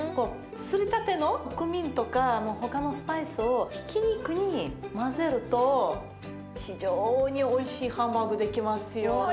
すりたてのクミンとか他のスパイスをひき肉に混ぜると非常においしいハンバーグできますよ。